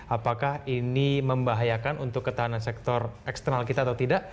apakah ini membahayakan untuk ketahanan sektor eksternal kita atau tidak